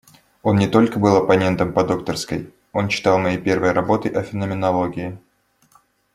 Он не только был оппонентом по докторской, он читал мои первые работы о феноменологии.